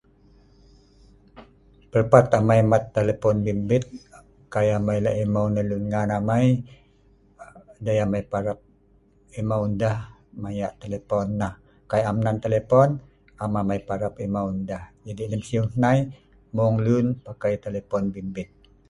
Pelpat amai mat telepon bimbit kai amai lak emeu neh ngan lun ngan amai, dei amai parap emeu deh maya telepon nah, kai amai am nan telepon am amai parap emeu, jadi lem siu nai mung lun, mat telepon bimbit